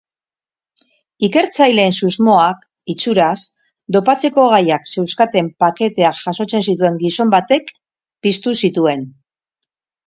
Ikertzaileen susmoak itxuraz dopatzeko gaiak zeuzkaten paketeak jasotzen zituen gizon batek piztu zituen.